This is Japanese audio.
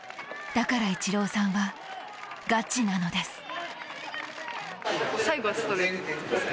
だからイチローさんはガチなのです。